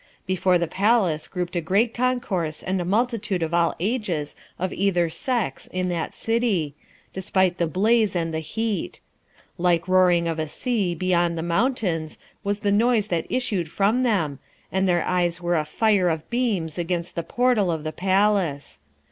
Before the palace grouped a great concourse and a multitude of all ages and either sex in that city, despite the blaze and the heat. Like roaring of a sea beyond the mountains was the noise that issued from them, and their eyes were a fire of beams against the portal of the palace.